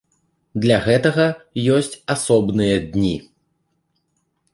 Для гэтага ёсць асобныя дні.